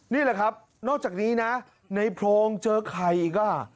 นี่แหละครับนอกจากนี้นะในโพรงเจอไข่อีกอ่ะ